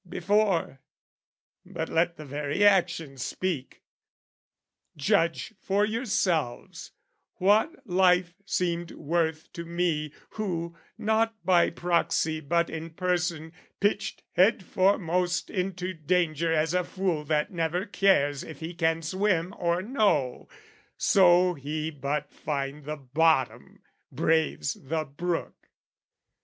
Before, but let the very action speak! Judge for yourselves, what life seemed worth to me Who, not by proxy but in person, pitched Head foremost into danger as a fool That never cares if he can swim or no So he but find the bottom, braves the brook.